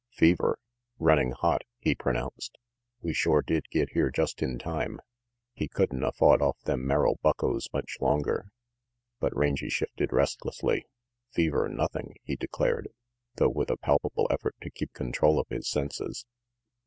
"Fever. Running hot," he pronounced. "We shore did get here just in time. He couldn't a fought off them Merrill buckos much longer ' 3 But Rangy shifted restlessly. ," Fever, nothing," he declared, though with a palpable effort to keep control of his senses.